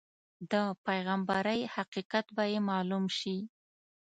د پیغمبرۍ حقیقت به یې معلوم شي.